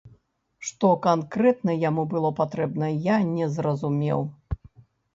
Што канкрэтна яму было патрэбна, я не зразумеў.